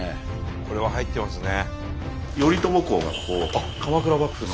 これは入ってますね。